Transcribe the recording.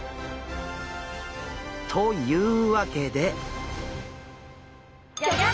というわけで。